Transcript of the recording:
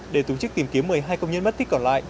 để tổ chức tìm kiếm một mươi hai công nhân mất tích còn lại